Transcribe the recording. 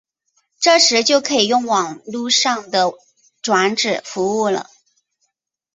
这时就可以用网路上的转址服务了。